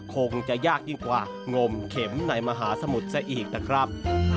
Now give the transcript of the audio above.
คงจะยากยิ่งกว่างมเข็มในมหาสมุทรซะอีกนะครับ